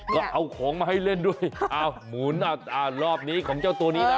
ก็เอาของมาให้เล่นด้วยอ้าวหมุนรอบนี้ของเจ้าตัวนี้นะ